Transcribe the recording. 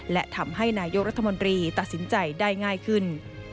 และทำให้นายกรัฐมนตรีตัดสินใจได้ง่ายขึ้น